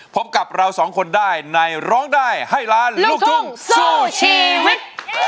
พบกับเราสองคนได้ในร้องได้ให้ล้านลูกทุ่งสู้ชีวิต